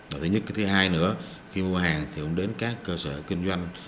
và thứ nhất cái thứ hai nữa khi mua hàng thì cũng đến các cơ sở kinh doanh